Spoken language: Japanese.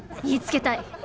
言いつけたい！